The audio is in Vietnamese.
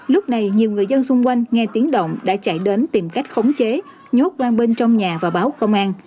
lúc này nhiều người dân xung quanh nghe tiếng động đã chạy đến tìm cách khống chế nhốt bên trong nhà và báo công an